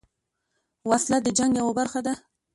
وسله د جنګ یوه برخه ده